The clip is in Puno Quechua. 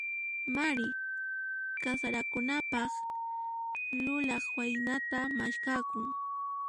Mari kasarakunanpaq, lulaq waynata maskhakun.